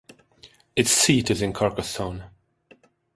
Its seat is in Carcassonne.